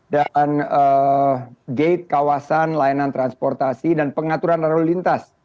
dan gate kawasan layanan transportasi dan pengaturan lalu lintas